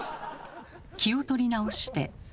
気を取り直して。